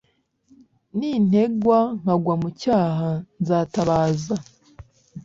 nintegwa nkagwa mu cyaha, nzatabaza